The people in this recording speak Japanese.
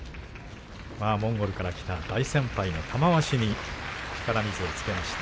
モンゴルから来た大先輩の玉鷲に力水をつけました。